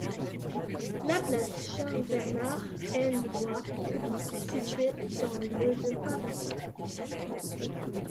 La place Charles-Bernard est une voie publique située dans le de Paris.